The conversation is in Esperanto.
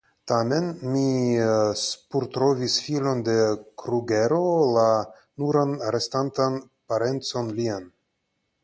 Tamen, mi spurtrovis filon de Krugero, la nuran restantan parencon lian.